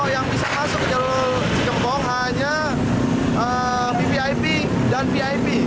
yang bisa masuk ke jalur cidepong hanya vvip dan vip